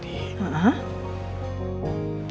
dia lebih banyak diam mas